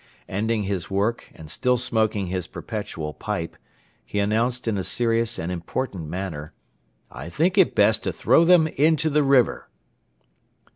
Ending his work and still smoking his perpetual pipe, he announced in a serious and important manner: "I think it best to throw them into the river."